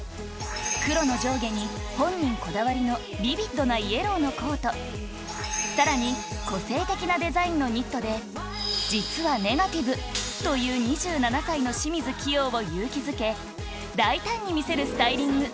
黒の上下に本人こだわりのビビッドなイエローのコートさらに個性的な実はネガティブという２７歳の清水希容を勇気づけ大胆に見せるスタイリング